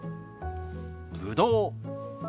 ぶどう。